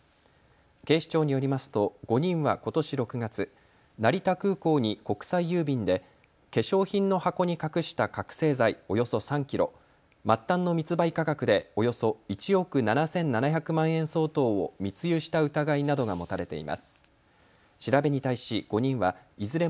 警視庁によりますと５人はことし６月、成田空港に国際郵便で化粧品の箱に隠した覚醒剤およそ３キロ、末端の密売価格でおよそ１億７７００万円相当をああそうですかい。